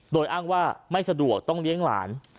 โดยอ้างว่าไม่สะดวกต้องเลี้ยงหลาน